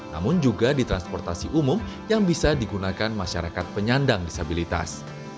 namun juga di transportasi umum yang bisa digunakan masyarakat penyandang disabilitas